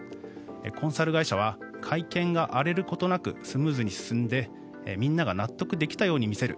コンサル会社は会見が荒れることなくスムーズに進んでみんなが納得できたように見せる